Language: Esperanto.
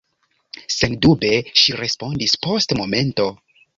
Sendube, ŝi respondis post momento.